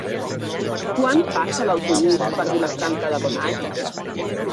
Quan passa l'autobús per Vilafranca de Bonany?